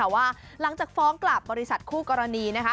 ว่าหลังจากฟ้องกลับบริษัทคู่กรณีนะคะ